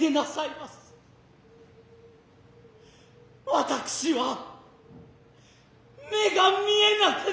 私は目が見えなく成りました。